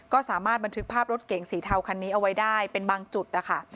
ก็สามารถบันทึกภาพรถเก๋งสีเทาคันนี้เอาไว้ได้เป็นบางจุดนะคะ